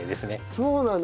そうなんだ。